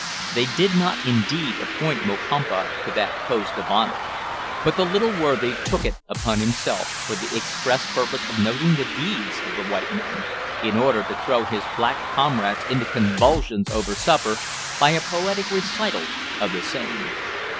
They did not indeed, appoint Mokompa to that post of honour, but the little worthy took it upon himself, for the express purpose of noting the deeds of the white men, in order to throw his black comrades into convulsions over supper by a poetic recital of the same.